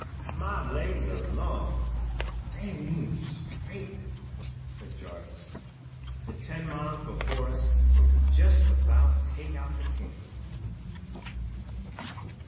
"My legs are long an' they need straightenin'," said Jarvis. "The ten miles before us will jest about take out the kinks."